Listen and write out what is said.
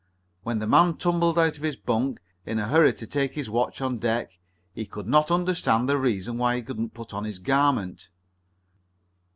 When the man tumbled out of his bunk, in a hurry to take his watch on deck, he could not understand the reason why he could not put on his garment.